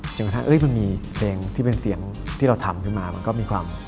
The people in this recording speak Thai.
กระทั่งมันมีเพลงที่เป็นเสียงที่เราทำขึ้นมามันก็มีความ